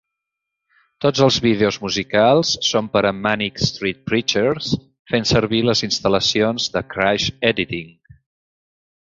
Tots els vídeos musicals són per a Manic Street Preachers, fent servir les instal·lacions de "Crash Editing".